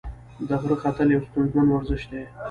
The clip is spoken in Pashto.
د غره ختل یو ستونزمن ورزش دی.